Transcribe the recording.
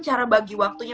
cara bagi waktunya